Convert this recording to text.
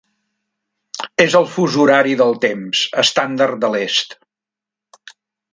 És al fus horari del Temps Estàndard de l'est.